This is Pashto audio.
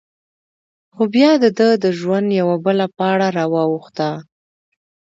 خو؛ بیا د دهٔ د ژوند یوه بله پاڼه را واوښته…